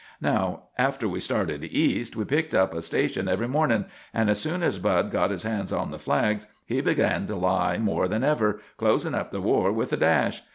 "Now, after we started east, we picked up a station every mornin'; and as soon as Bud got his hands on the flags, he begun to lie more than ever, closin' up the war with a dash.